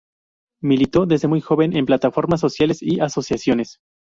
Militó desde muy joven en plataformas sociales y asociaciones.